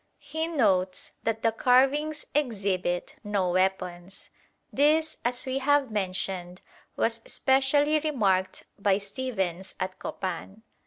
He notes that the carvings exhibit no weapons. This, as we have mentioned, was specially remarked by Stephens at Copan.